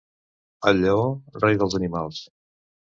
El lleó, rei dels animals.